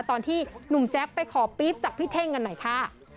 ตอนที่หนุ่มแจ๊คไปขอปี๊บจากพี่เท่งกันหน่อยค่ะ